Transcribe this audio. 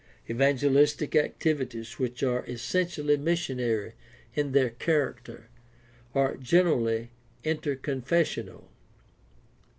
Evangelistic activities which are essentially missionary in their character are generally interconfessional.